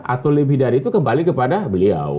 atau lebih dari itu kembali kepada beliau